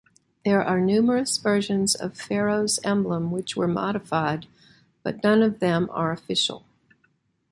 There are numerous versions of Ferro’s emblem which were modified, but non of them are official.